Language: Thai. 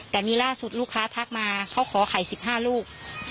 แต่มีล่าสุดลูกค้าทักมาเขาขอไข่๑๕ลูก